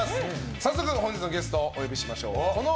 早速、本日のゲストお呼びしましょう。